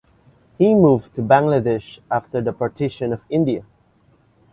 He moved to Bangladesh after the Partition of India.